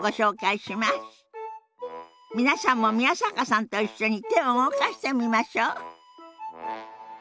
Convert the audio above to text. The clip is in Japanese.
皆さんも宮坂さんと一緒に手を動かしてみましょう。